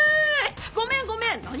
ごめんごめん何様？